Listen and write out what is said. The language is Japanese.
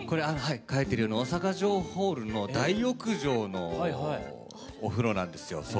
書いてるように大阪城ホールの大浴場のお風呂なんですよ。